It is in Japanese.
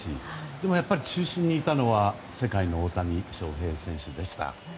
でもやっぱり、中心にいたのは世界の大谷翔平選手でした。